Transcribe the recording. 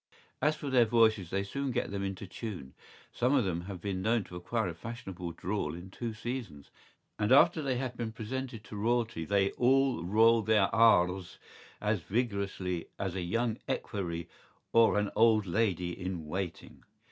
¬Ý As for their voices they soon get them into tune.¬Ý Some of them have been known to acquire a fashionable drawl in two seasons; and after they have been presented to Royalty they all roll their R’s as vigorously as a young equerry or an old lady in waiting.